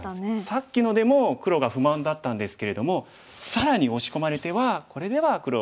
さっきのでも黒が不満だったんですけれども更に押し込まれてはこれでは黒はうんダメですね。